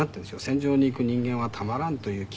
戦場に行く人間はたまらんという気が。